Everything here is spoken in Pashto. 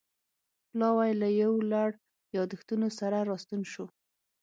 پلاوی له یو لړ یادښتونو سره راستون شو